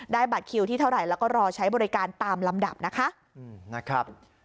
บัตรคิวที่เท่าไหร่แล้วก็รอใช้บริการตามลำดับนะคะ